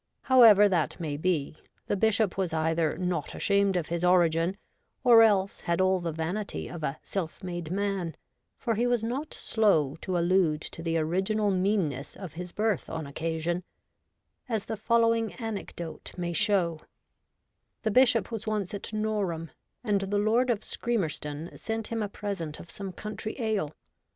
However that may be, the Bishop was either not ashamed of his origin, or else had all the vanity of a ' self made ' man, for he was not slow to allude to the original meanness of his birth on occasion, as the following anecdote may show :—' The Bishop was once at Norham, and the Lord of Scremerston sent him a present of some country ale.